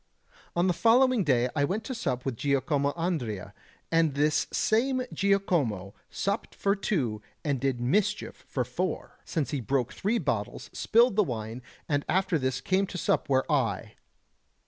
On the following day I went to sup with Giacomo Andrea, and this same Giacomo supped for two and did mischief for four, since he broke three bottles, spilled the wine, and after this came to sup where I...